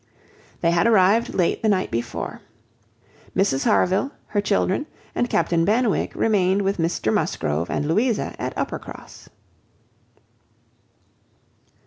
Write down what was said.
They had arrived late the night before. Mrs Harville, her children, and Captain Benwick, remained with Mr Musgrove and Louisa at Uppercross.